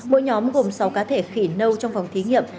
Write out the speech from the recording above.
mỗi nhóm gồm sáu cá thể khỉ nâu trong phòng thí nghiệm